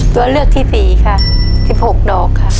ตัวเลือกที่๔ค่ะ๑๖ดอกค่ะ